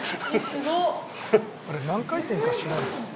あれ何回転かしないの？